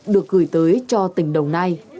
được gửi tới cho tỉnh đồng nai